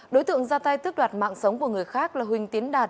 đối tượng ra tay tước đoạt mạng sống của người khác là huỳnh tiến đạt